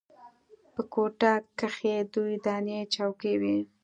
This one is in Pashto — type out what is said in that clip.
په کوټه کښې دوې دانې چوکۍ وې.